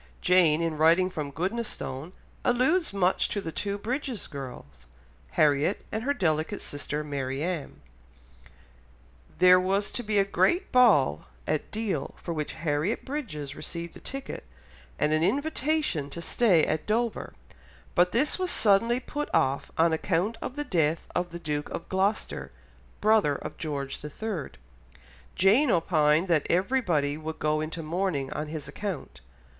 Jane in writing from Goodnestone alludes much to the two Bridges girls, Harriet and her delicate sister Marianne. There was to be a great ball at Deal for which Harriet Bridges received a ticket, and an invitation to stay at Dover, but this was suddenly put off on account of the death of the Duke of Gloucester, brother of George III. Jane opined that everybody would go into mourning on his account.